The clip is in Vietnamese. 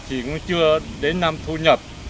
chỉ chưa đến năm thu nhập